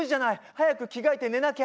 早く着替えて寝なきゃ。